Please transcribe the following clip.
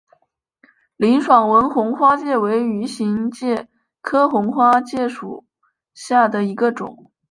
林爽文红花介为鱼形介科红花介属下的一个种。